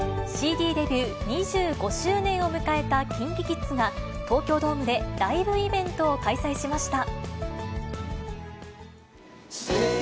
ＣＤデビュー２５周年を迎えたＫｉｎＫｉＫｉｄｓが、東京ドームでライブイベントを開催しました。